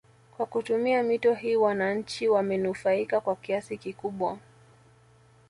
Kwa kutumia mito hii wananchi wamenufaika kwa kiasi kikubwa